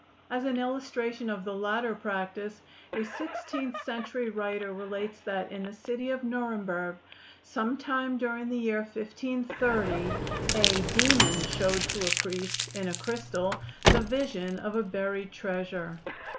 As an illustration of the latter practice, a sixteenth century writer relates that in the city of Nuremberg, some time during the year 1530, a "demon" showed to a priest, in a crystal, the vision of a buried treasure.